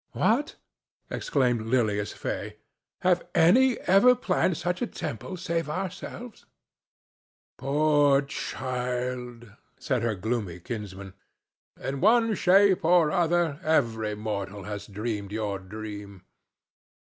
"What!" exclaimed Lilias Fay. "Have any ever planned such a temple save ourselves?" "Poor child!" said her gloomy kinsman. "In one shape or other every mortal has dreamed your dream."